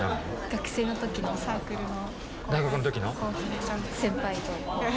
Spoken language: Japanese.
学生の時のサークルの。